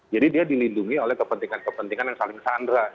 jadi dia dilindungi oleh kepentingan kepentingan yang saling sandra